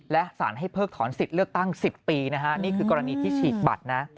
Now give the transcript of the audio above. และสารให้เพิกถอนสิทธิ์เลือกตั้ง๑๐ปีนะฮะนี่คือกรณีที่ฉีกบัตรนะ